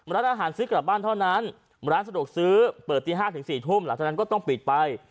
ร้านอาหารซื้อกลับบ้านเท่านั้นร้านสะดวกซื้อเปิดตี๕ถึง๔ทุ่มหลังจากนั้นก็ต้องปิดไป